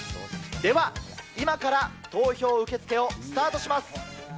では、今から投票受け付けをスタートします。